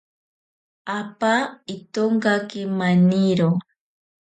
Apa itonkake maniro.